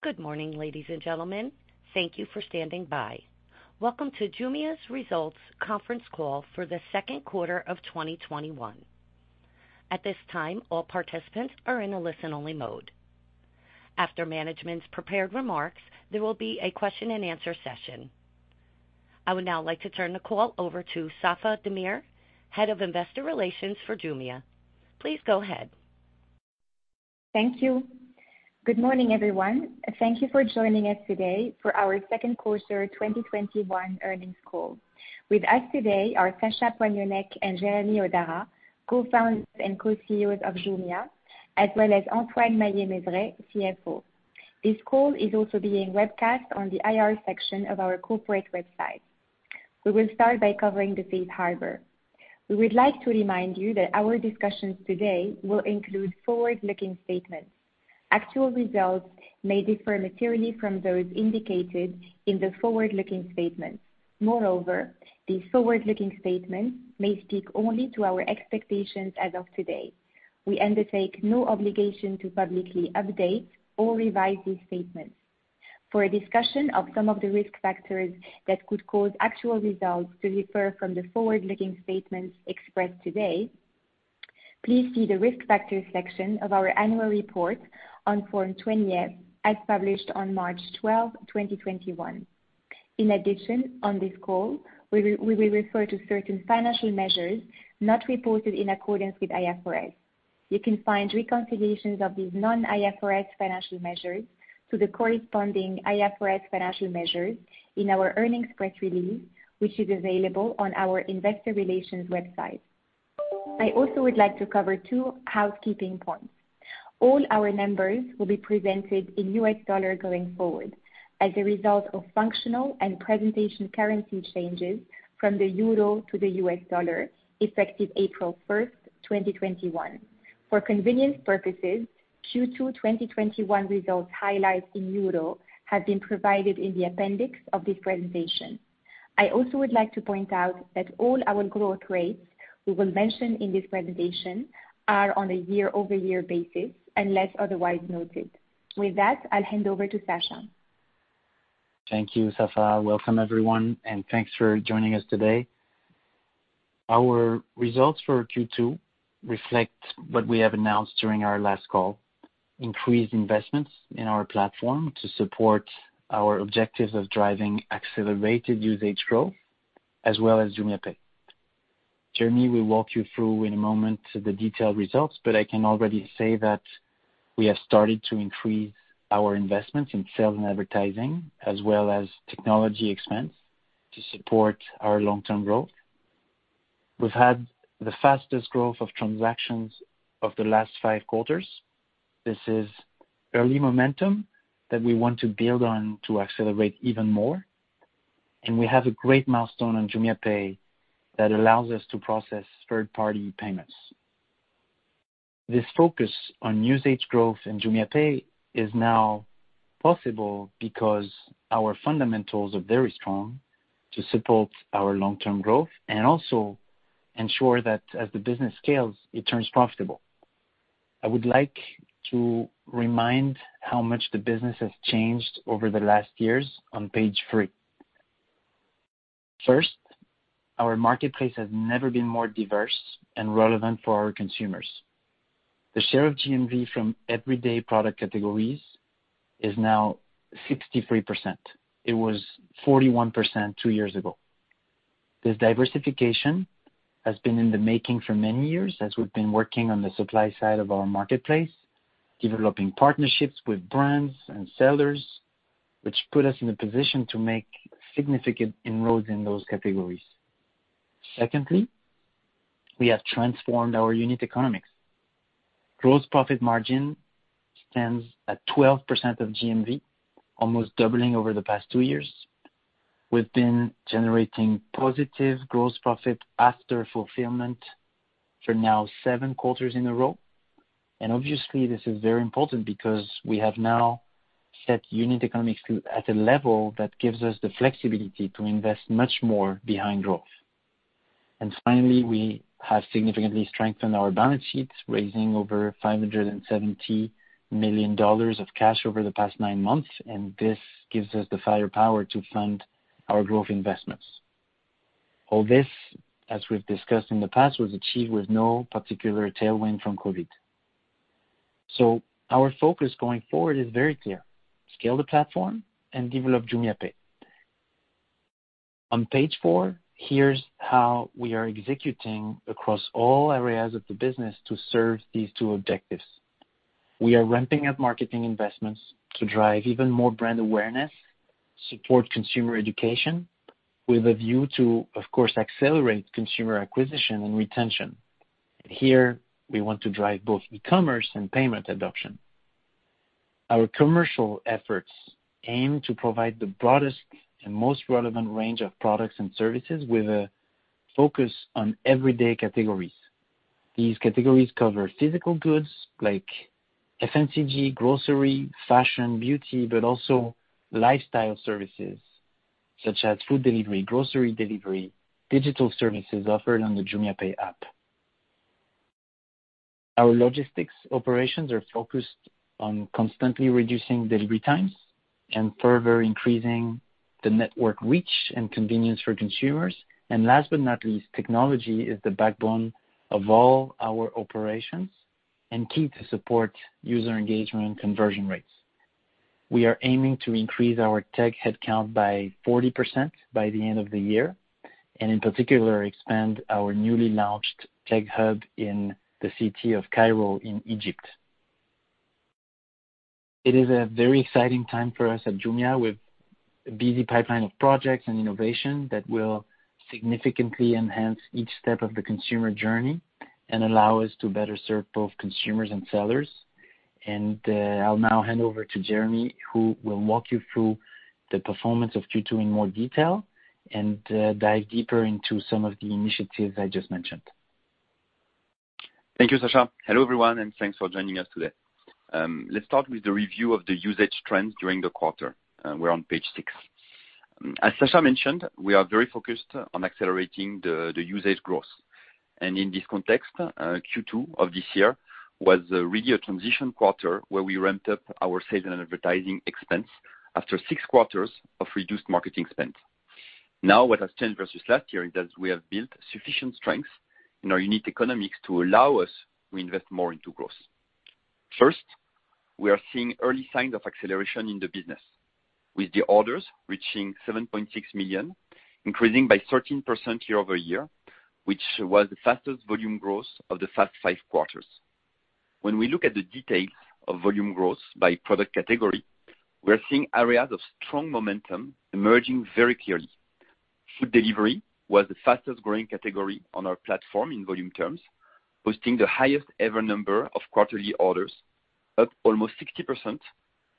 Good morning, ladies and gentlemen. Thank you for standing by. Welcome to Jumia's results conference call for the second quarter of 2021. At this time, all participants are in a listen-only mode. After management's prepared remarks, there will be a question and answer session. I would now like to turn the call over to Safae Damir, Head of Investor Relations for Jumia. Please go ahead. Thank you. Good morning, everyone. Thank you for joining us today for our second quarter 2021 earnings call. With us today are Sacha Poignonnec and Jeremy Hodara, co-founders and co-CEOs of Jumia, as well as Antoine Maillet-Mezeray, CFO. This call is also being webcast on the IR section of our corporate website. We will start by covering the safe harbor. We would like to remind you that our discussions today will include forward-looking statements. Actual results may differ materially from those indicated in the forward-looking statements. Moreover, these forward-looking statements may speak only to our expectations as of today. We undertake no obligation to publicly update or revise these statements. For a discussion of some of the risk factors that could cause actual results to differ from the forward-looking statements expressed today, please see the Risk Factors section of our annual report on Form 20-F, as published on March 12th, 2021. In addition, on this call, we will refer to certain financial measures not reported in accordance with IFRS. You can find reconciliations of these non-IFRS financial measures to the corresponding IFRS financial measures in our earnings press release, which is available on our investor relations website. I also would like to cover two housekeeping points. All our numbers will be presented in US dollar going forward as a result of functional and presentation currency changes from the euro to the US dollar, effective April 1st, 2021. For convenience purposes, Q2 2021 results highlights in euro have been provided in the appendix of this presentation. I also would like to point out that all our growth rates we will mention in this presentation are on a year-over-year basis, unless otherwise noted. With that, I'll hand over to Sacha. Thank you, Safae. Welcome, everyone, and thanks for joining us today. Our results for Q2 reflect what we have announced during our last call, increased investments in our platform to support our objectives of driving accelerated usage growth, as well as JumiaPay. Jeremy will walk you through in a moment the detailed results, but I can already say that we have started to increase our investments in sales and advertising, as well as technology expense to support our long-term growth. We've had the fastest growth of transactions of the last five quarters. This is early momentum that we want to build on to accelerate even more. We have a great milestone on JumiaPay that allows us to process third-party payments. This focus on usage growth in JumiaPay is now possible because our fundamentals are very strong to support our long-term growth and also ensure that as the business scales, it turns profitable. I would like to remind how much the business has changed over the last years on page three. Our marketplace has never been more diverse and relevant for our consumers. The share of GMV from everyday product categories is now 63%. It was 41% two years ago. This diversification has been in the making for many years as we've been working on the supply side of our marketplace, developing partnerships with brands and sellers, which put us in a position to make significant inroads in those categories. We have transformed our unit economics. Gross profit margin stands at 12% of GMV, almost doubling over the past two years. We've been generating positive gross profit after fulfillment for now seven quarters in a row. Obviously, this is very important because we have now set unit economics at a level that gives us the flexibility to invest much more behind growth. Finally, we have significantly strengthened our balance sheets, raising over $570 million of cash over the past nine months. This gives us the firepower to fund our growth investments. All this, as we've discussed in the past, was achieved with no particular tailwind from COVID. Our focus going forward is very clear, scale the platform and develop JumiaPay. On page four, here's how we are executing across all areas of the business to serve these two objectives. We are ramping up marketing investments to drive even more brand awareness, support consumer education with a view to, of course, accelerate consumer acquisition and retention. Here, we want to drive both e-commerce and payment adoption. Our commercial efforts aim to provide the broadest and most relevant range of products and services with a focus on everyday categories. These categories cover physical goods like FMCG, grocery, fashion, beauty, but also lifestyle services such as food delivery, grocery delivery, digital services offered on the JumiaPay app. Our logistics operations are focused on constantly reducing delivery times and further increasing the network reach and convenience for consumers. Last but not least, technology is the backbone of all our operations and key to support user engagement and conversion rates. We are aiming to increase our tech headcount by 40% by the end of the year, and in particular, expand our newly launched tech hub in the city of Cairo in Egypt. It is a very exciting time for us at Jumia, with a busy pipeline of projects and innovation that will significantly enhance each step of the consumer journey and allow us to better serve both consumers and sellers. I'll now hand over to Jeremy, who will walk you through the performance of Q2 in more detail and dive deeper into some of the initiatives I just mentioned. Thank you, Sacha. Hello, everyone, and thanks for joining us today. Let's start with the review of the usage trends during the quarter. We're on page six. As Sacha mentioned, we are very focused on accelerating the usage growth. In this context, Q2 of this year was really a transition quarter where we ramped up our sales and advertising expense after six quarters of reduced marketing spend. What has changed versus last year is that we have built sufficient strength in our unique economics to allow us to invest more into growth. First, we are seeing early signs of acceleration in the business, with the orders reaching 7.6 million, increasing by 13% year-over-year, which was the fastest volume growth of the past five quarters. When we look at the details of volume growth by product category, we are seeing areas of strong momentum emerging very clearly. Food delivery was the fastest-growing category on our platform in volume terms, hosting the highest ever number of quarterly orders, up almost 60%,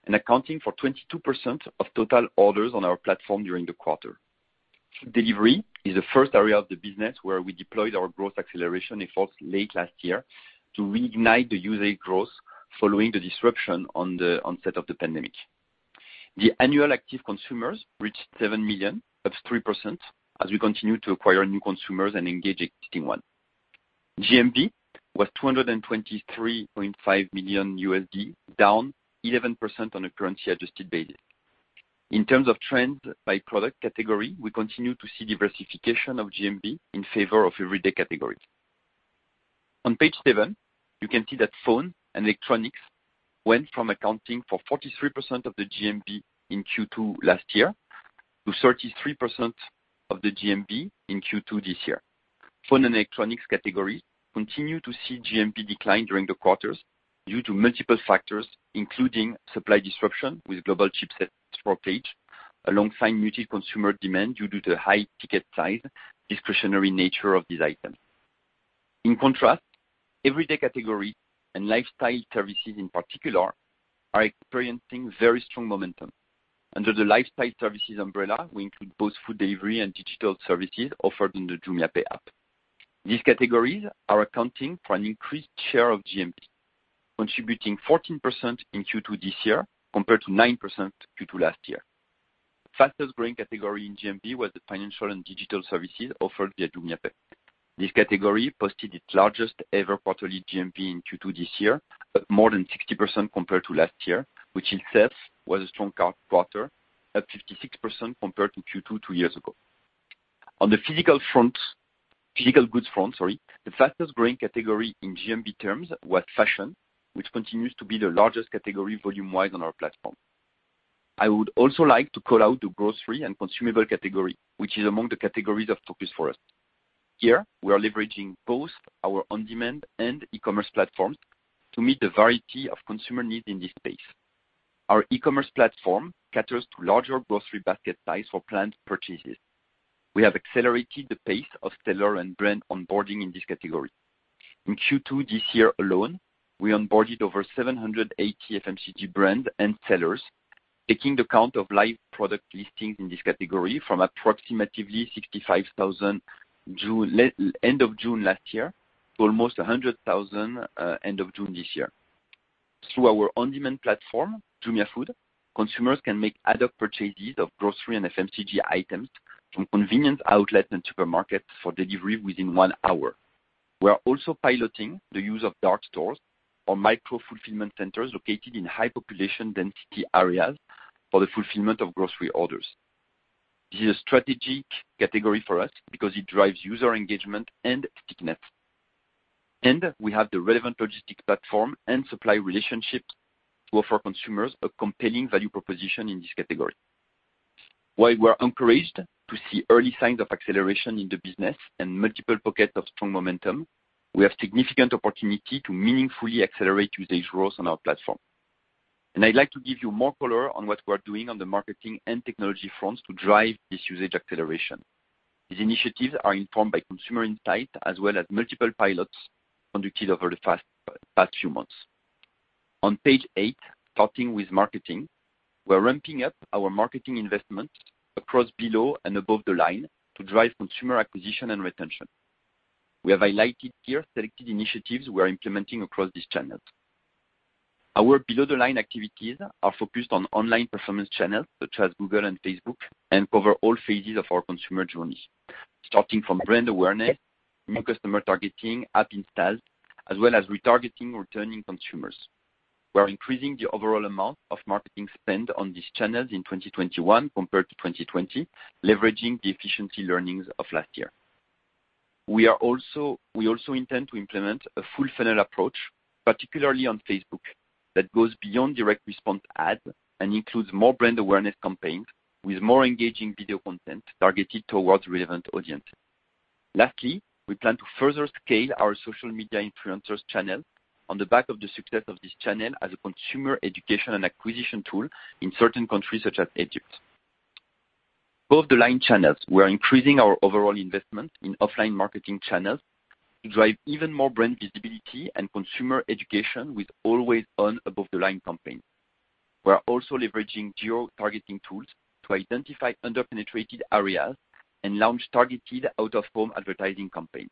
and accounting for 22% of total orders on our platform during the quarter. Food delivery is the first area of the business where we deployed our growth acceleration efforts late last year to reignite the usage growth following the disruption on the onset of the pandemic. The annual active consumers reached 7 million, up 3%, as we continue to acquire new consumers and engage existing ones. GMV was $223.5 million, down 11% on a currency adjusted basis. In terms of trend by product category, we continue to see diversification of GMV in favor of everyday categories. On page seven, you can see that phone and electronics went from accounting for 43% of the GMV in Q2 last year to 33% of the GMV in Q2 this year. Phone and electronics category continue to see GMV decline during the quarters due to multiple factors, including supply disruption with global chipset shortage, alongside muted consumer demand due to the high ticket size discretionary nature of these items. In contrast, everyday categories and lifestyle services in particular, are experiencing very strong momentum. Under the lifestyle services umbrella, we include both food delivery and digital services offered in the JumiaPay app. These categories are accounting for an increased share of GMV, contributing 14% in Q2 this year compared to 9% Q2 last year. The fastest-growing category in GMV was the financial and digital services offered via JumiaPay. This category posted its largest ever quarterly GMV in Q2 this year, up more than 60% compared to last year, which itself was a strong quarter, up 56% compared to Q2 two years ago. On the physical goods front, the fastest-growing category in GMV terms was fashion, which continues to be the largest category volume-wise on our platform. I would also like to call out the grocery and consumable category, which is among the categories of focus for us. Here, we are leveraging both our on-demand and e-commerce platforms to meet the variety of consumer needs in this space. Our e-commerce platform caters to larger grocery basket size for planned purchases. We have accelerated the pace of seller and brand onboarding in this category. In Q2 this year alone, we onboarded over 780 FMCG brands and sellers, taking the count of live product listings in this category from approximately 65,000 end of June last year to almost 100,000 end of June this year. Through our on-demand platform, Jumia Food, consumers can make other purchases of grocery and FMCG items from convenient outlets and supermarkets for delivery within one hour. We are also piloting the use of dark stores or micro-fulfillment centers located in high population density areas for the fulfillment of grocery orders. This is a strategic category for us because it drives user engagement and stickiness. We have the relevant logistic platform and supply relationships to offer consumers a compelling value proposition in this category. While we are encouraged to see early signs of acceleration in the business and multiple pockets of strong momentum, we have significant opportunity to meaningfully accelerate usage growth on our platform. I'd like to give you more color on what we are doing on the marketing and technology fronts to drive this usage acceleration. These initiatives are informed by consumer insight as well as multiple pilots conducted over the past few months. On page eight, starting with marketing, we are ramping up our marketing investment across below and above the line to drive consumer acquisition and retention. We have highlighted here selected initiatives we are implementing across these channels. Our below the line activities are focused on online performance channels such as Google and Facebook, and cover all phases of our consumer journey, starting from brand awareness, new customer targeting, app installs, as well as retargeting returning consumers. We're increasing the overall amount of marketing spend on these channels in 2021 compared to 2020, leveraging the efficiency learnings of last year. We also intend to implement a full funnel approach, particularly on Facebook, that goes beyond direct response ads and includes more brand awareness campaigns with more engaging video content targeted towards relevant audience. Lastly, we plan to further scale our social media influencers channel on the back of the success of this channel as a consumer education and acquisition tool in certain countries such as Egypt. Above the line channels, we're increasing our overall investment in offline marketing channels to drive even more brand visibility and consumer education with always-on above-the-line campaigns. We are also leveraging geo-targeting tools to identify under-penetrated areas and launch targeted out-of-home advertising campaigns.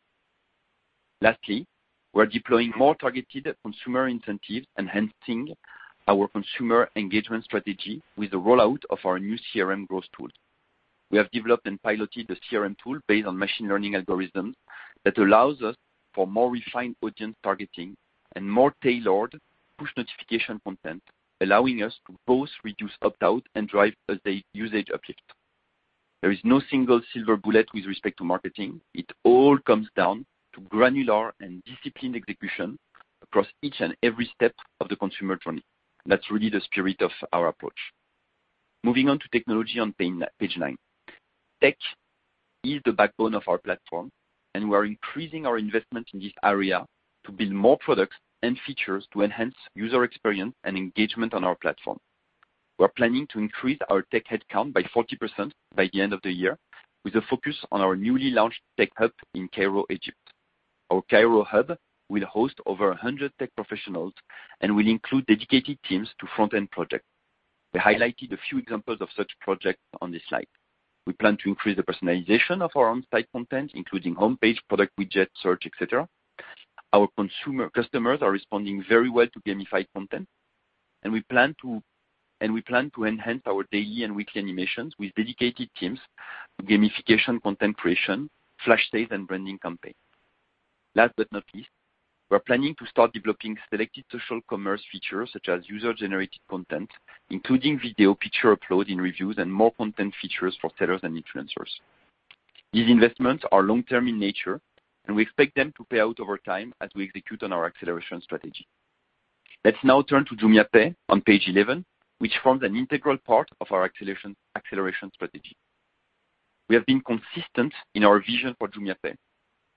Lastly, we are deploying more targeted consumer incentives, enhancing our consumer engagement strategy with the rollout of our new CRM growth tool. We have developed and piloted a CRM tool based on machine learning algorithms that allows us for more refined audience targeting and more tailored push notification content, allowing us to both reduce opt-out and drive a usage uplift. There is no single silver bullet with respect to marketing. It all comes down to granular and disciplined execution across each and every step of the consumer journey. That's really the spirit of our approach. Moving on to technology on page nine. Tech is the backbone of our platform, and we are increasing our investment in this area to build more products and features to enhance user experience and engagement on our platform. We are planning to increase our tech headcount by 40% by the end of the year, with a focus on our newly launched tech hub in Cairo, Egypt. Our Cairo hub will host over 100 tech professionals and will include dedicated teams to front-end projects. We highlighted a few examples of such projects on this slide. We plan to increase the personalization of our on-site content, including homepage, product widget, search, et cetera. Our customers are responding very well to gamified content, and we plan to enhance our daily and weekly animations with dedicated teams, gamification, content creation, flash sales, and branding campaigns. Last but not least, we are planning to start developing selected social commerce features such as user-generated content, including video, picture upload in reviews, and more content features for sellers and influencers. These investments are long-term in nature, and we expect them to pay out over time as we execute on our acceleration strategy. Let's now turn to JumiaPay on page 11, which forms an integral part of our acceleration strategy. We have been consistent in our vision for JumiaPay,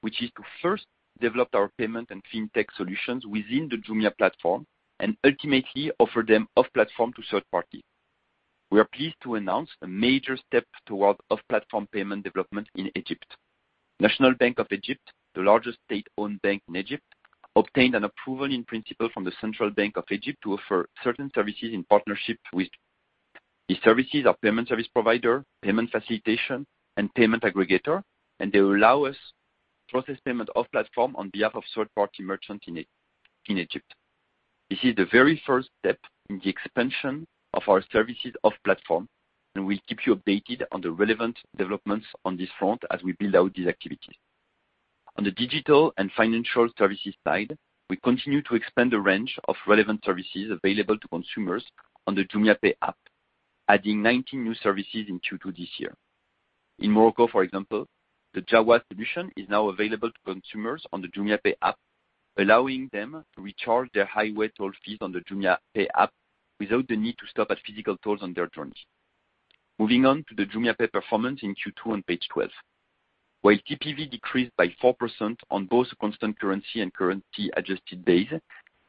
which is to first develop our payment and fintech solutions within the Jumia platform and ultimately offer them off-platform to third parties. We are pleased to announce a major step toward off-platform payment development in Egypt. National Bank of Egypt, the largest state-owned bank in Egypt, obtained an approval in principle from the Central Bank of Egypt to offer certain services in partnership with. These services are payment service provider, payment facilitation, and payment aggregator, and they will allow us process payment off-platform on behalf of third-party merchants in Egypt. This is the very first step in the expansion of our services off-platform, and we'll keep you updated on the relevant developments on this front as we build out these activities. On the digital and financial services side, we continue to expand the range of relevant services available to consumers on the JumiaPay app, adding 19 new services in Q2 this year. In Morocco, for example, the Jawaz solution is now available to consumers on the JumiaPay app, allowing them to recharge their highway toll fees on the JumiaPay app without the need to stop at physical tolls on their journeys. Moving on to the JumiaPay performance in Q2 on page 12. While TPV decreased by 4% on both a constant currency and currency adjusted basis,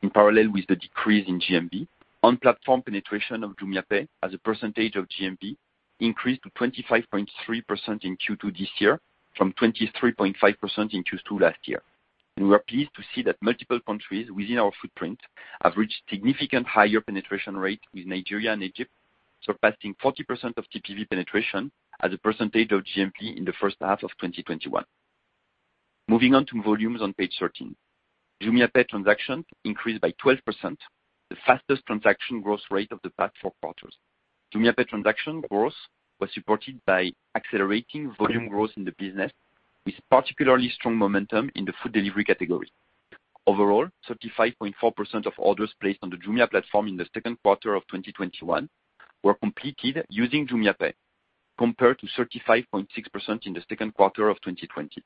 in parallel with the decrease in GMV, on-platform penetration of JumiaPay as a percentage of GMV increased to 25.3% in Q2 this year from 23.5% in Q2 last year. We are pleased to see that multiple countries within our footprint have reached significant higher penetration rate, with Nigeria and Egypt surpassing 40% of TPV penetration as a percentage of GMV in the first half of 2021. Moving on to volumes on page 13. JumiaPay transactions increased by 12%, the fastest transaction growth rate of the past four quarters. JumiaPay transaction growth was supported by accelerating volume growth in the business, with particularly strong momentum in the food delivery category. Overall, 35.4% of orders placed on the Jumia platform in the second quarter of 2021 were completed using JumiaPay, compared to 35.6% in the second quarter of 2020.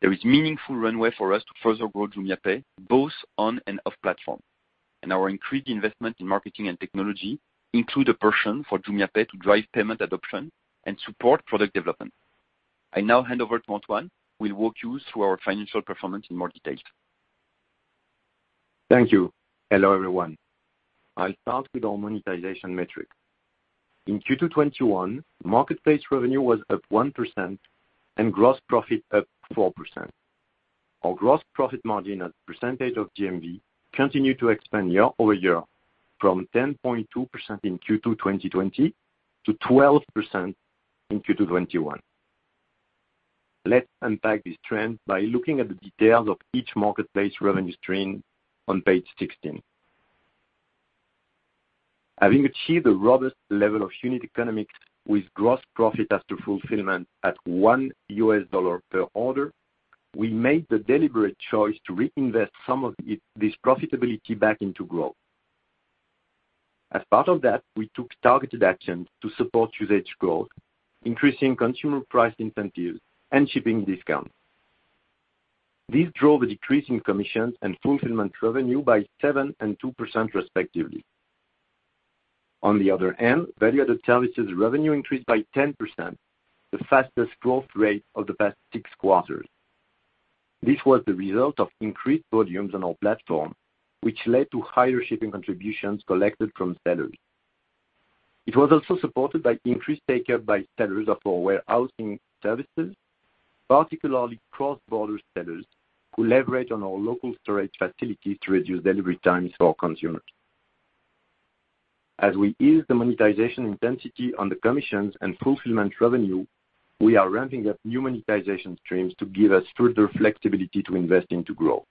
There is meaningful runway for us to further grow JumiaPay, both on and off platform, and our increased investment in marketing and technology include a portion for JumiaPay to drive payment adoption and support product development. I now hand over to Antoine Maillet-Mezeray, who will walk you through our financial performance in more detail. Thank you. Hello, everyone. I will start with our monetization metric. In Q2 2021, marketplace revenue was up 1% and gross profit up 4%. Our gross profit margin as a percentage of GMV continued to expand year-over-year from 10.2% in Q2 2020 to 12% in Q2 2021. Let's unpack this trend by looking at the details of each marketplace revenue stream on page 16. Having achieved a robust level of unit economics with gross profit after fulfillment at $1 per order, we made the deliberate choice to reinvest some of this profitability back into growth. As part of that, we took targeted action to support usage growth, increasing consumer price incentives and shipping discounts. These drove a decrease in commissions and fulfillment revenue by 7% and 2% respectively. On the other hand, value-added services revenue increased by 10%, the fastest growth rate of the past six quarters. This was the result of increased volumes on our platform, which led to higher shipping contributions collected from sellers. It was also supported by increased take-up by sellers of our warehousing services, particularly cross-border sellers who leverage on our local storage facilities to reduce delivery times for consumers. As we ease the monetization intensity on the commissions and fulfillment revenue, we are ramping up new monetization streams to give us further flexibility to invest into growth.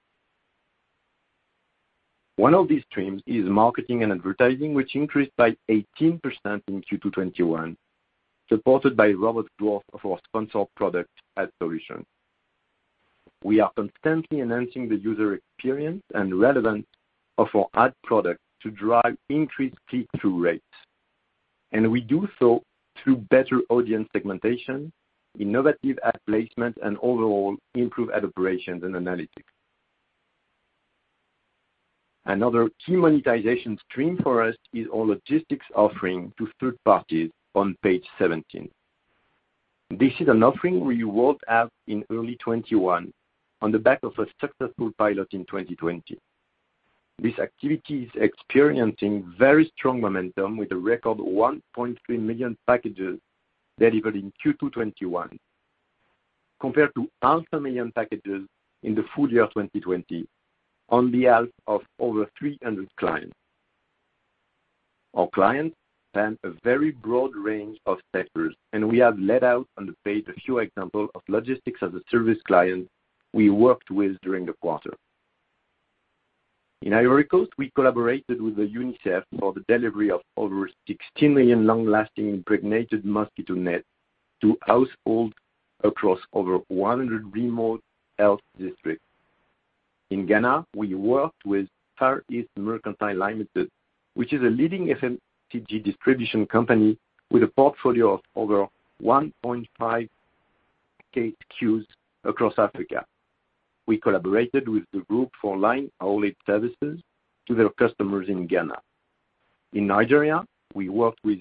One of these streams is marketing and advertising, which increased by 18% in Q2 2021, supported by robust growth of our sponsored product ad solution. We are constantly enhancing the user experience and relevance of our ad product to drive increased click-through rates, and we do so through better audience segmentation, innovative ad placement, and overall improved ad operations and analytics. Another key monetization stream for us is our logistics offering to third parties on page 17. This is an offering we rolled out in early 2021 on the back of a successful pilot in 2020. This activity is experiencing very strong momentum with a record 1.3 million packages delivered in Q2 2021 compared to half a million packages in the full year 2020 on behalf of over 300 clients. Our clients span a very broad range of sectors, and we have laid out on the page a few examples of logistics-as-a-service clients we worked with during the quarter. In Ivory Coast, we collaborated with UNICEF for the delivery of over 16 million long-lasting impregnated mosquito nets to households across over 100 remote health districts. In Ghana, we worked with Fareast Mercantile Limited, which is a leading FMCG distribution company with a portfolio of over 1.5 SKUs across Africa. We collaborated with the group for last-mile delivery services to their customers in Ghana. In Nigeria, we worked with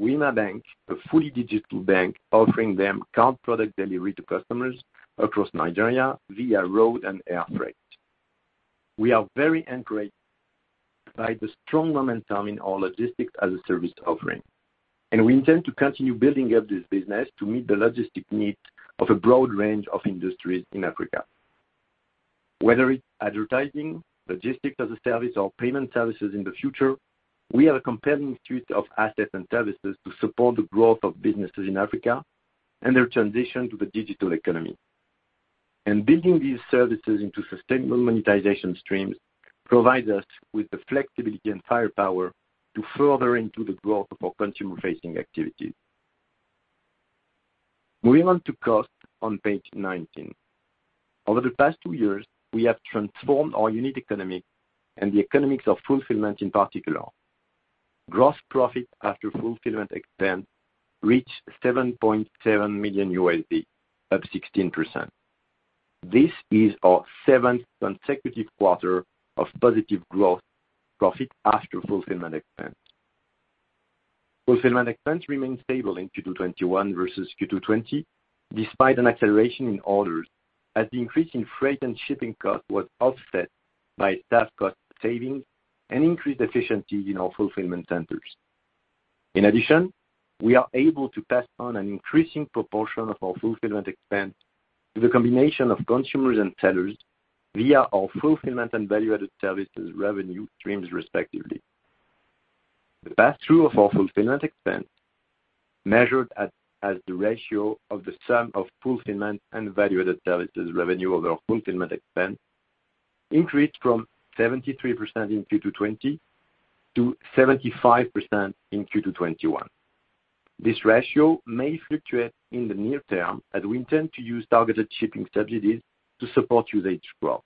Wema Bank, a fully digital bank, offering them card product delivery to customers across Nigeria via road and air freight. We are very encouraged by the strong momentum in our logistics-as-a-service offering, and we intend to continue building up this business to meet the logistic needs of a broad range of industries in Africa. Whether it's advertising, logistics-as-a-service, or payment services in the future, we have a compelling suite of assets and services to support the growth of businesses in Africa and their transition to the digital economy. Building these services into sustainable monetization streams provides us with the flexibility and firepower to further into the growth of our consumer-facing activities. Moving on to cost on page 19. Over the past two years, we have transformed our unit economics and the economics of fulfillment in particular. Gross profit after fulfillment expense reached $7.7 million, up 16%. This is our 7th consecutive quarter of positive gross profit after fulfillment expense. Fulfillment expense remained stable in Q2 2021 versus Q2 2020, despite an acceleration in orders, as the increase in freight and shipping costs was offset by staff cost savings and increased efficiency in our fulfillment centers. In addition, we are able to pass on an increasing proportion of our fulfillment expense to the combination of consumers and sellers via our fulfillment and value-added services revenue streams respectively. The pass-through of our fulfillment expense, measured as the ratio of the sum of fulfillment and value-added services revenue over fulfillment expense, increased from 73% in Q2 2020 to 75% in Q2 2021. This ratio may fluctuate in the near term as we intend to use targeted shipping subsidies to support usage growth.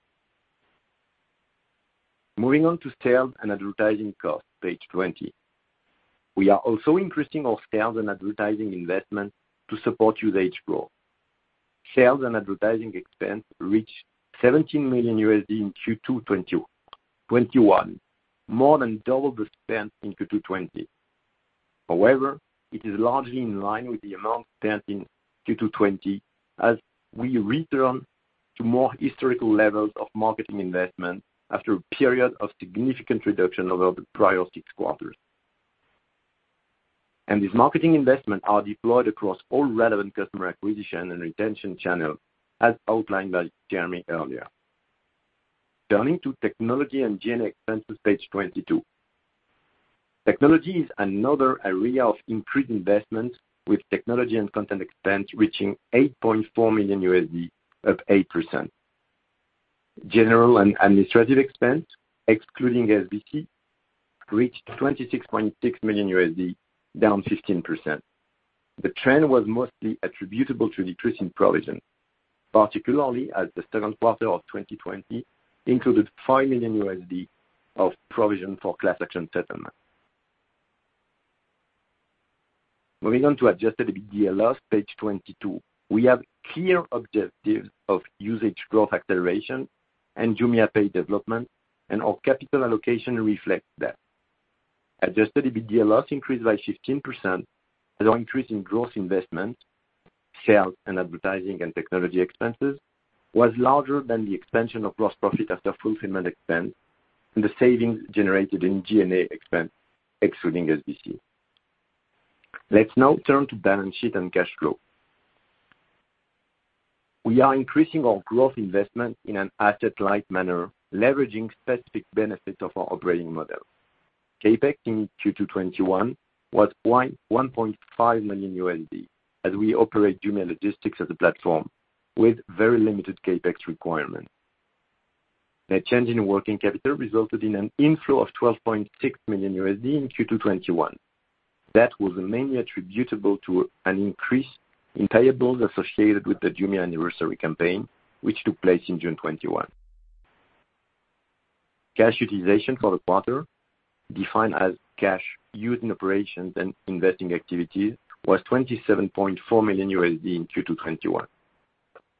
Moving on to sales and advertising costs, page 20. We are also increasing our sales and advertising investment to support usage growth. Sales and advertising expense reached $17 million in Q2 2021, more than double the spend in Q2 2020. However, it is largely in line with the amount spent in Q2 2020 as we return to more historical levels of marketing investment after a period of significant reduction over the prior six quarters. These marketing investments are deployed across all relevant customer acquisition and retention channels as outlined by Jeremy Hodara earlier. Turning to technology and general expenses, page 22. Technology is another area of increased investment, with technology and content expense reaching $8.4 million, up 8%. General and administrative expense, excluding SBC, reached $26.6 million, down 15%. The trend was mostly attributable to decrease in provision, particularly as the second quarter of 2020 included $5 million of provision for class action settlement. Moving on to adjusted EBITDA loss, page 22. We have clear objectives of usage growth acceleration and JumiaPay development, our capital allocation reflects that. Adjusted EBITDA loss increased by 15%, as our increase in growth investment, sales, and advertising and technology expenses was larger than the expansion of gross profit after fulfillment expense and the savings generated in G&A expense excluding SBC. Let's now turn to balance sheet and cash flow. We are increasing our growth investment in an asset-light manner, leveraging specific benefits of our operating model. CapEx in Q2 2021 was $1.5 million, as we operate Jumia Logistics as a platform with very limited CapEx requirement. Net change in working capital resulted in an inflow of $12.6 million in Q2 2021. That was mainly attributable to an increase in payables associated with the Jumia anniversary campaign, which took place in June 2021. Cash utilization for the quarter, defined as cash used in operations and investing activities, was $27.4 million in Q2 2021.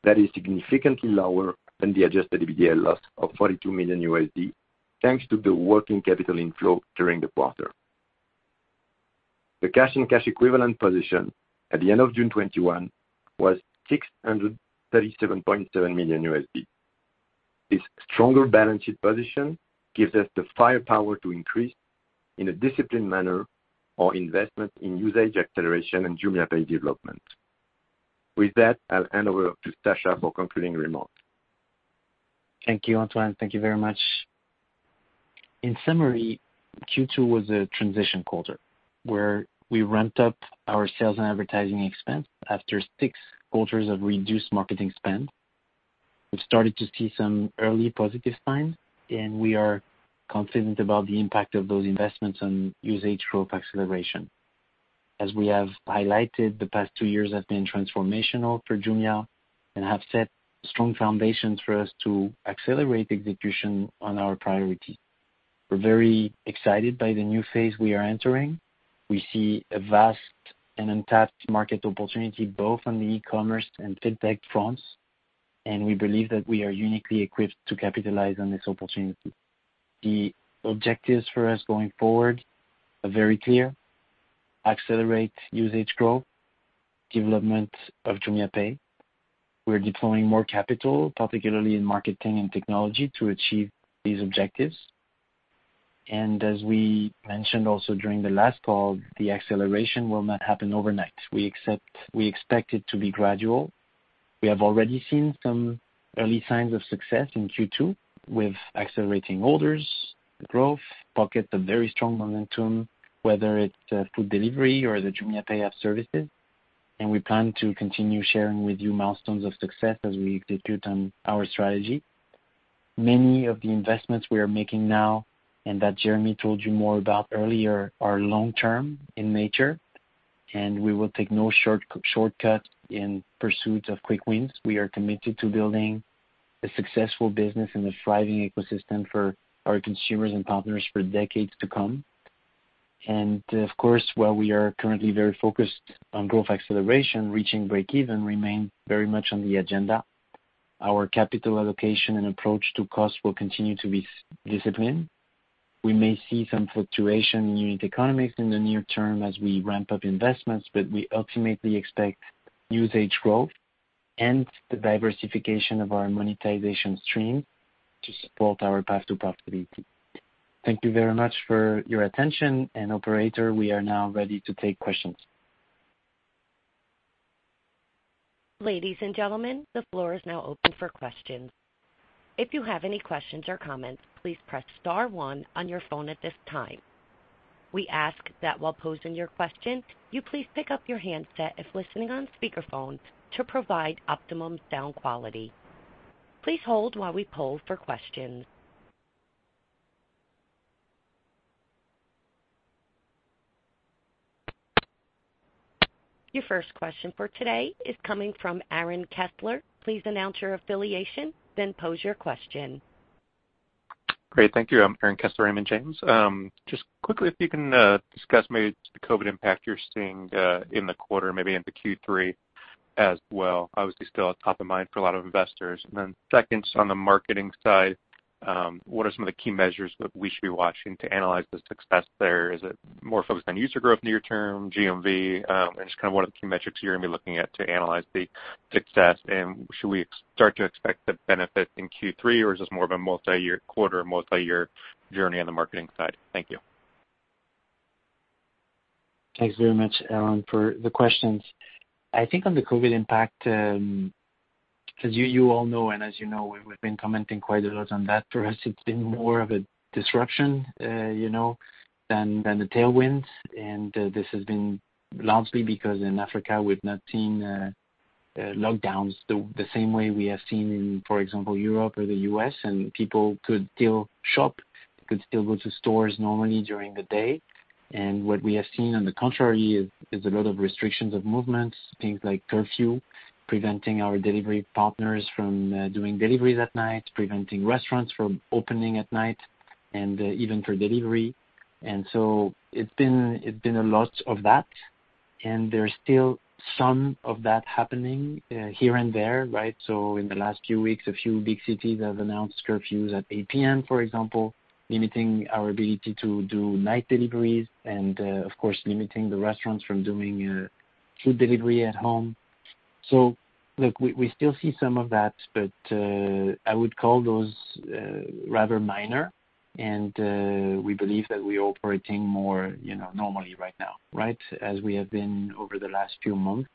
That is significantly lower than the adjusted EBITDA loss of $42 million, thanks to the working capital inflow during the quarter. The cash and cash equivalent position at the end of June 2021 was $637.7 million. This stronger balance sheet position gives us the firepower to increase, in a disciplined manner, our investment in usage acceleration and JumiaPay development. With that, I'll hand over to Sacha for concluding remarks. Thank you, Antoine. Thank you very much. In summary, Q2 was a transition quarter, where we ramped up our sales and advertising expense after six quarters of reduced marketing spend. We've started to see some early positive signs, and we are confident about the impact of those investments on usage growth acceleration. As we have highlighted, the past two years have been transformational for Jumia and have set strong foundations for us to accelerate execution on our priorities. We're very excited by the new phase we are entering. We see a vast and untapped market opportunity both on the e-commerce and fintech fronts, and we believe that we are uniquely equipped to capitalize on this opportunity. The objectives for us going forward are very clear. Accelerate usage growth, development of JumiaPay. We're deploying more capital, particularly in marketing and technology, to achieve these objectives. As we mentioned also during the last call, the acceleration will not happen overnight. We expect it to be gradual. We have already seen some early signs of success in Q2 with accelerating orders, growth, pockets of very strong momentum, whether it's food delivery or the JumiaPay services. We plan to continue sharing with you milestones of success as we execute on our strategy. Many of the investments we are making now, and that Jeremy told you more about earlier, are long-term in nature, and we will take no shortcut in pursuit of quick wins. We are committed to building a successful business and a thriving ecosystem for our consumers and partners for decades to come. Of course, while we are currently very focused on growth acceleration, reaching breakeven remains very much on the agenda. Our capital allocation and approach to cost will continue to be disciplined. We may see some fluctuation in unit economics in the near term as we ramp up investments, but we ultimately expect usage growth and the diversification of our monetization stream to support our path to profitability. Thank you very much for your attention, and operator, we are now ready to take questions. Ladies and gentlemen, the floor is now open for questions. If you have any questions or comments, please press star one on your phone at this time. We ask that while posing your question, you please pick up your handset if listening on speakerphone to provide optimum sound quality. Please hold while we poll for questions. Your first question for today is coming from Aaron Kessler. Please announce your affiliation, then pose your question. Great. Thank you. I'm Aaron Kessler, Raymond James. Just quickly, if you can discuss maybe the COVID impact you're seeing in the quarter, maybe into Q3 as well. Obviously, still top of mind for a lot of investors. Second, on the marketing side, what are some of the key measures that we should be watching to analyze the success there? Is it more focused on user growth near term, GMV? Just kind of what are the key metrics you're going to be looking at to analyze the success? Should we start to expect the benefit in Q3, or is this more of a multi-year quarter, multi-year journey on the marketing side? Thank you. Thanks very much, Aaron, for the questions. I think on the COVID impact, as you all know, we've been commenting quite a lot on that. For us, it's been more of a disruption than the tailwinds, this has been largely because in Africa we've not seen lockdowns the same way we have seen in, for example, Europe or the U.S., and people could still shop, could still go to stores normally during the day. What we have seen, on the contrary, is a lot of restrictions of movements, things like curfew, preventing our delivery partners from doing deliveries at night, preventing restaurants from opening at night, and even for delivery. It's been a lot of that, and there's still some of that happening here and there. In the last few weeks, a few big cities have announced curfews at 8:00 P.M., for example, limiting our ability to do night deliveries and, of course, limiting the restaurants from doing food delivery at home. Look, we still see some of that, but, I would call those rather minor, and we believe that we're operating more normally right now as we have been over the last few months.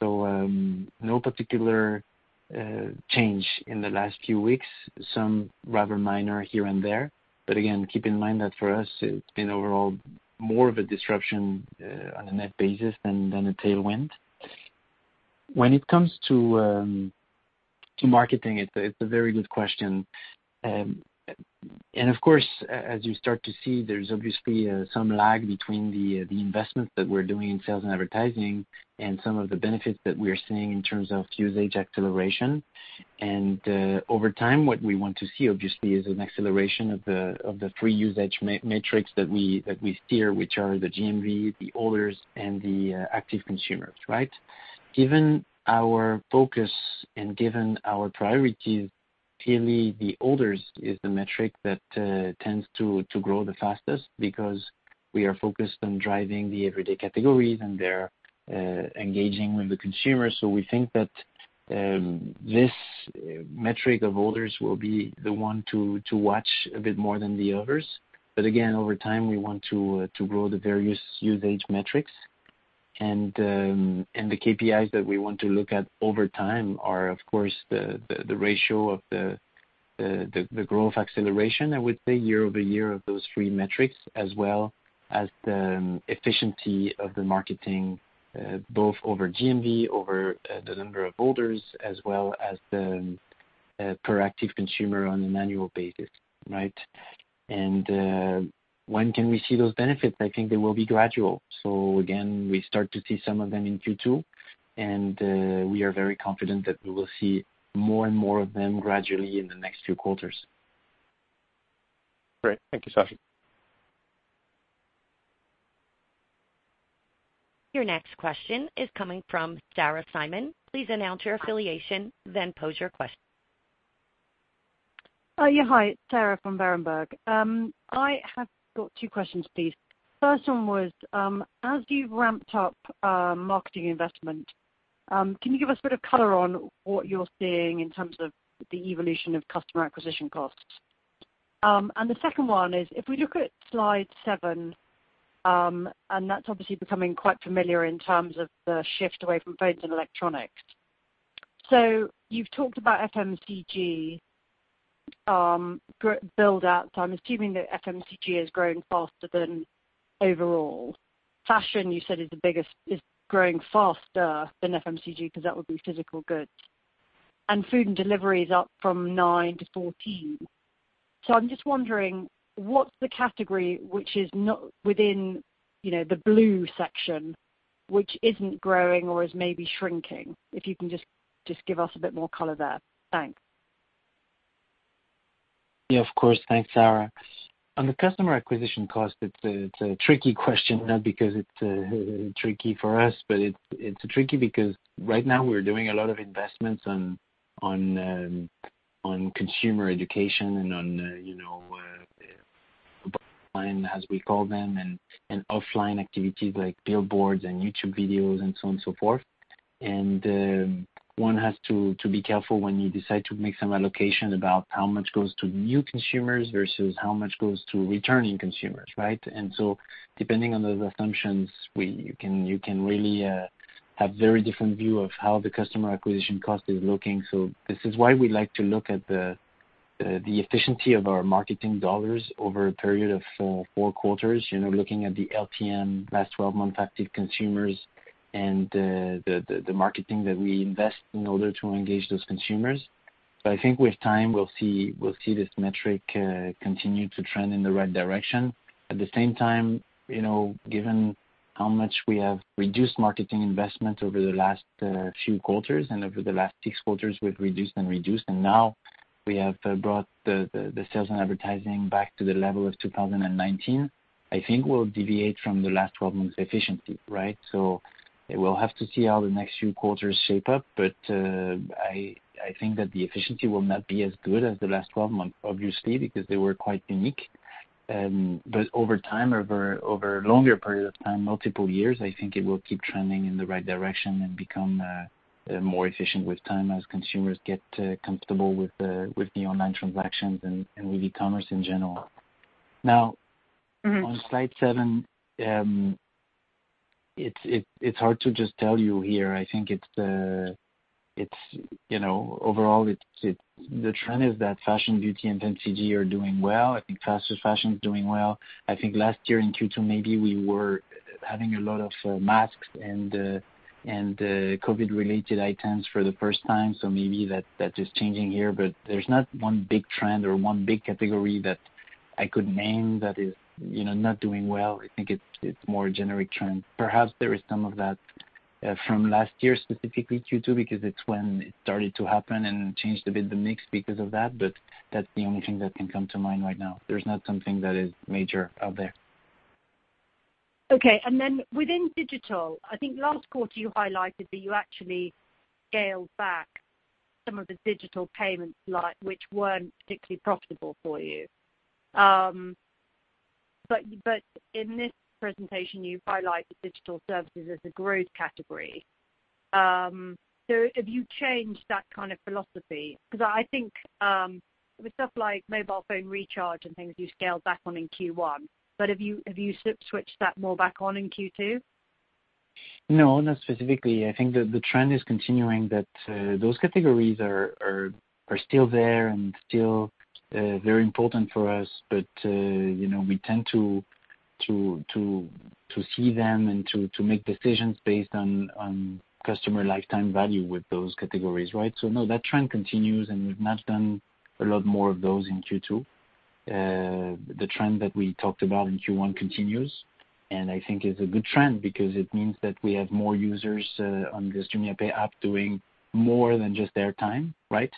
No particular change in the last few weeks, some rather minor here and there. Again, keep in mind that for us, it's been overall more of a disruption on a net basis than a tailwind. When it comes to marketing, it's a very good question. Of course, as you start to see, there's obviously some lag between the investment that we're doing in sales and advertising and some of the benefits that we're seeing in terms of usage acceleration. Over time, what we want to see, obviously, is an acceleration of the three usage metrics that we steer, which are the GMV, the orders, and the active consumers. Given our focus and given our priorities, clearly the orders is the metric that tends to grow the fastest because we are focused on driving the everyday categories, and they're engaging with the consumer. We think that this metric of orders will be the one to watch a bit more than the others. Again, over time, we want to grow the various usage metrics and the KPIs that we want to look at over time are, of course, the ratio of the growth acceleration, I would say year-over-year of those three metrics, as well as the efficiency of the marketing, both over GMV, over the number of orders, as well as the per active consumer on an annual basis. When can we see those benefits? I think they will be gradual. Again, we start to see some of them in Q2, and we are very confident that we will see more and more of them gradually in the next few quarters. Great. Thank you, Sacha. Your next question is coming from Sarah Simon. Please announce your affiliation, then pose your question. Yeah. Hi, Sarah from Berenberg. I have got two questions, please. First one was, as you've ramped up marketing investment, can you give us a bit of color on what you're seeing in terms of the evolution of customer acquisition costs? The second one is, if we look at slide seven, and that's obviously becoming quite familiar in terms of the shift away from phones and electronics. You've talked about FMCG build out. I'm assuming that FMCG is growing faster than overall. Fashion, you said is growing faster than FMCG because that would be physical goods. Food and delivery is up from 9-14. I'm just wondering, what's the category which is within the blue section, which isn't growing or is maybe shrinking? If you can just give us a bit more color there. Thanks. Of course. Thanks, Sarah. On the customer acquisition cost, it's a tricky question, not because it's tricky for us, but it's tricky because right now we're doing a lot of investments on consumer education and on above line, as we call them, and offline activities like billboards and YouTube videos and so on and so forth. One has to be careful when you decide to make some allocation about how much goes to new consumers versus how much goes to returning consumers. Depending on those assumptions, you can really have very different view of how the customer acquisition cost is looking. This is why we like to look at the efficiency of our marketing dollars over a period of four quarters, looking at the LTM, last 12 months active consumers and the marketing that we invest in order to engage those consumers. I think with time, we'll see this metric continue to trend in the right direction. At the same time, given how much we have reduced marketing investment over the last few quarters and over the last six quarters, we've reduced, and now we have brought the sales and advertising back to the level of 2019. I think we'll deviate from the last 12 months' efficiency. We'll have to see how the next few quarters shape up, but I think that the efficiency will not be as good as the last 12 months, obviously, because they were quite unique. Over time, over a longer period of time, multiple years, I think it will keep trending in the right direction and become more efficient with time as consumers get comfortable with the online transactions and with e-commerce in general. On slide seven, it's hard to just tell you here. I think overall, the trend is that fashion, beauty, and FMCG are doing well. I think faster fashion is doing well. I think last year in Q2 maybe we were having a lot of masks and COVID-related items for the first time. Maybe that is changing here. There's not one big trend or one big category that I could name that is not doing well. I think it's more a generic trend. Perhaps there is some of that from last year, specifically Q2, because it's when it started to happen and changed a bit the mix because of that. That's the only thing that can come to mind right now. There's not something that is major out there. Okay. Then within digital, I think last quarter you highlighted that you actually scaled back some of the digital payments, which weren't particularly profitable for you. In this presentation, you highlight the digital services as a growth category. Have you changed that kind of philosophy? I think with stuff like mobile phone recharge and things you scaled back on in Q1, but have you switched that more back on in Q2? No, not specifically. I think that the trend is continuing, that those categories are still there and still very important for us. We tend to see them and to make decisions based on customer lifetime value with those categories, right? No, that trend continues, and we've not done a lot more of those in Q2. The trend that we talked about in Q1 continues, and I think it's a good trend because it means that we have more users on the JumiaPay app doing more than just airtime, right?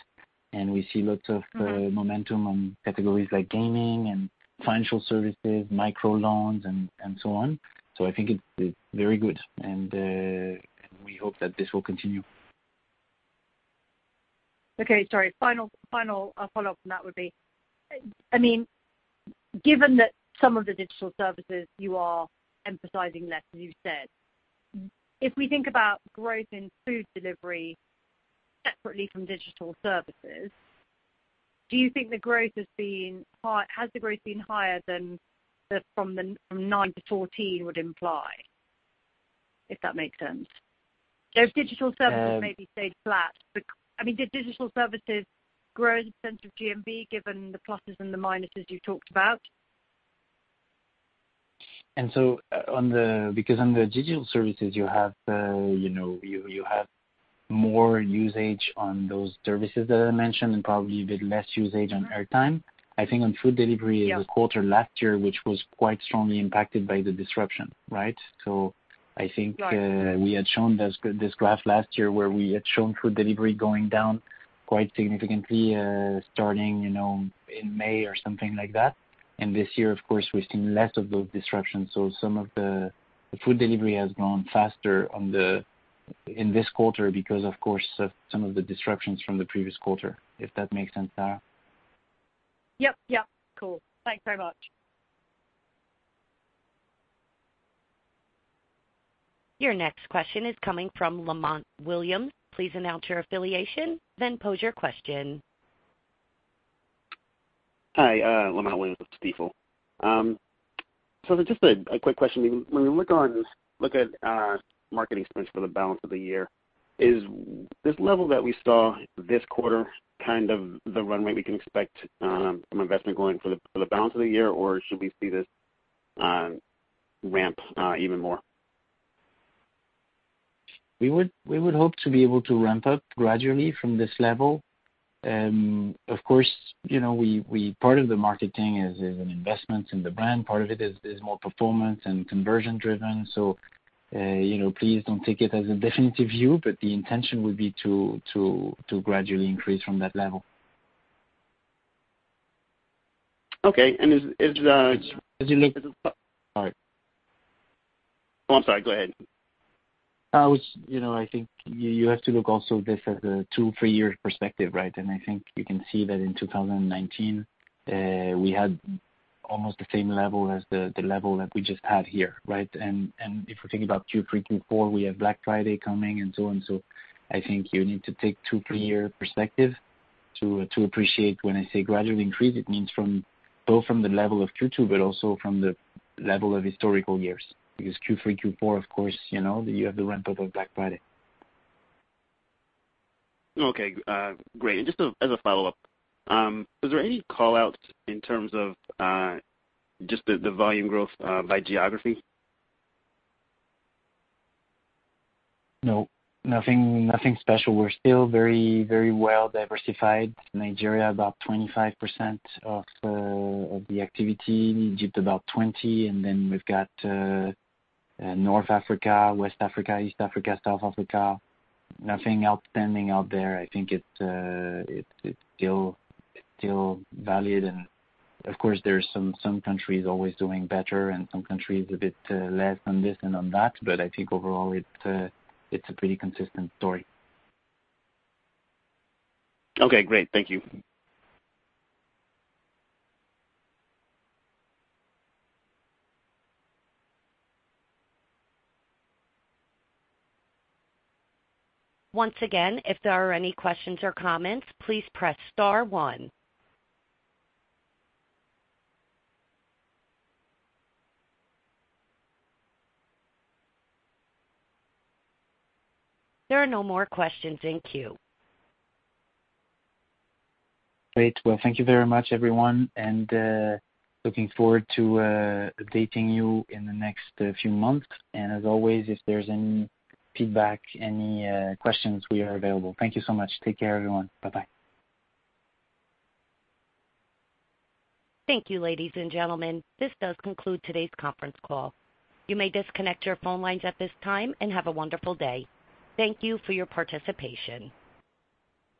We see lots of momentum on categories like gaming and financial services, microloans, and so on. I think it's very good, and we hope that this will continue. Okay. Sorry, final follow-up from that would be, given that some of the digital services, you are emphasizing less, as you said, if we think about growth in food delivery separately from digital services, has the growth been higher than from the from 9-14 would imply? If that makes sense. Maybe stayed flat, but did digital services grow in sense of GMV given the pluses and the minuses you talked about? Because on the digital services, you have more usage on those services that I mentioned, and probably a bit less usage on airtime. I think on food delivery. Yeah the quarter last year, which was quite strongly impacted by the disruption, right? Right we had shown this graph last year where we had shown food delivery going down quite significantly, starting in May or something like that. This year, of course, we've seen less of those disruptions, so some of the food delivery has grown faster in this quarter because of course of some of the disruptions from the previous quarter. If that makes sense, Sarah. Yep. Cool. Thanks very much. Your next question is coming from Lamont Williams. Please announce your affiliation, then pose your question. Hi, Lamont Williams with Stifel. Just a quick question. When we look at marketing spends for the balance of the year, is this level that we saw this quarter kind of the runway we can expect from investment going for the balance of the year, or should we see this ramp even more? We would hope to be able to ramp up gradually from this level. Of course, part of the marketing is an investment in the brand. Part of it is more performance and conversion driven. Please don't take it as a definitive view, but the intention would be to gradually increase from that level. Okay. Oh, I'm sorry. Go ahead. I think you have to look also this as a two, three year perspective, right? I think you can see that in 2019, we had almost the same level as the level that we just had here, right? If we're thinking about Q3, Q4, we have Black Friday coming and so on. I think you need to take two, three year perspective to appreciate when I say gradually increase, it means both from the level of Q2, but also from the level of historical years, because Q3, Q4, of course, you have the ramp-up of Black Friday. Okay, great. Just as a follow-up, is there any call-outs in terms of just the volume growth by geography? No. Nothing special. We're still very well diversified. Nigeria, about 25% of the activity, Egypt about 20%, and then we've got North Africa, West Africa, East Africa, South Africa. Nothing outstanding out there. I think it's still valid. Of course, there's some countries always doing better and some countries a bit less on this and on that, but I think overall it's a pretty consistent story. Okay, great. Thank you. Once again, if there are any questions or comments, please press star one. There are no more questions in queue. Great. Well, thank you very much, everyone, looking forward to updating you in the next few months. As always, if there's any feedback, any questions, we are available. Thank you so much. Take care, everyone. Bye-bye. Thank you, ladies and gentlemen. This does conclude today's conference call. You may disconnect your phone lines at this time, and have a wonderful day. Thank you for your participation.